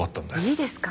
いいですか？